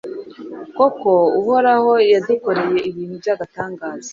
Koko Uhoraho yadukoreye ibintu by’agatangaza